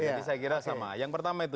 jadi saya kira sama yang pertama itu